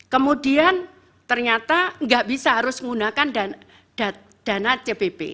kemudian ternyata nggak bisa harus menggunakan dana cpp